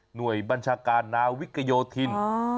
หน่วยบัญชาการนาวิกยโยธิน